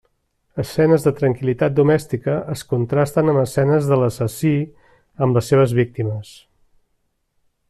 Escenes de tranquil·litat domèstica es contrasten amb escenes de l'assassí amb les seves víctimes.